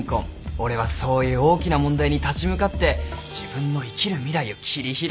俺はそういう大きな問題に立ち向かって自分の生きる未来を切り開きたいんだよ。